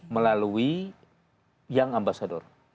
melalui yang ambasador